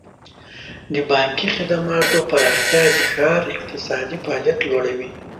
د بانکي خدماتو پراختیا د ښار اقتصادي فعالیت لوړوي.